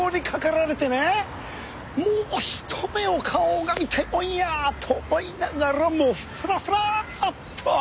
もう一目お顔を拝みたいもんやと思いながらもうフラフラっと。